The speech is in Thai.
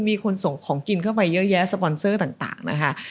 มีคนส่งของกินเข้าไปเยอะแยะสปอนเซอร์ต่างนะคะ